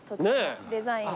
デザインが。